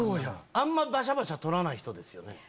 あんまバシャバシャ撮らない人ですよね。